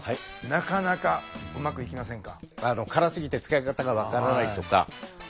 なかなかうまくいきませんか？